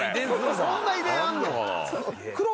そんな遺伝あんの？